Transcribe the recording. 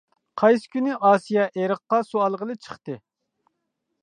قايسى كۈنى ئاسىيە ئېرىققا سۇ ئالغىلى چىقتى.